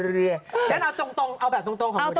เดี๋ยวเอาตรงของวันนี้